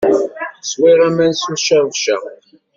Swiɣ aman s ucabcaq.